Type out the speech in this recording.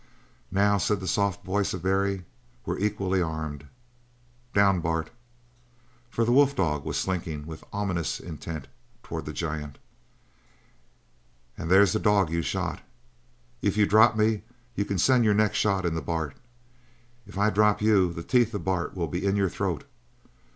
"Now," said the soft voice of Barry, "we're equally armed. Down, Bart! " (for the wolf dog was slinking with ominous intent towards the giant) and there's the dog you shot. "If you drop me, you can send your next shot into Bart. If I drop you, the teeth of Bart will be in your throat.